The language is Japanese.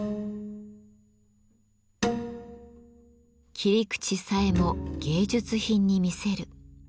切り口さえも芸術品に見せる。